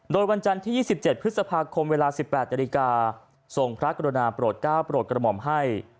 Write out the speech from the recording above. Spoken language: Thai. โดยวันจันที่๒๗พฤษภาคมเวลา๑๘นส่งพระกรณาโปรด๙โปรดกระหม่อมให้